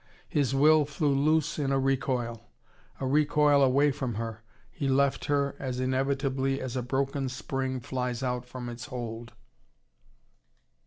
His will flew loose in a recoil: a recoil away from her. He left her, as inevitably as a broken spring flies out from its hold.